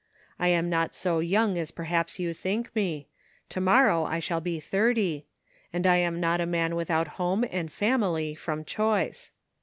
I am not so young as perhaps you think me — to morrow I shall be thirty — and I am not a man without home and family from choice.